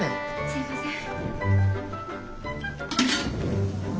すいません。